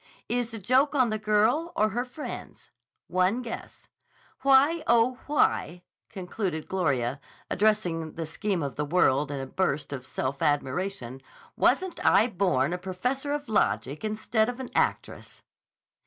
Is the joke on the girl or her friends? One guess. Why, oh, why," concluded Gloria addressing the Scheme of the World in a burst of self admiration, "wasn't I born a professor of logic instead of an actress?"